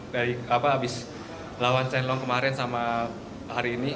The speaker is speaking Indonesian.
dari abis lawan shenlong kemarin sama hari ini